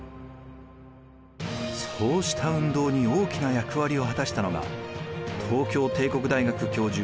そうした運動に大きな役割を果たしたのが東京帝国大学教授